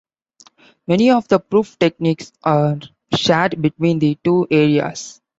Many of the proof techniques are shared between the two areas.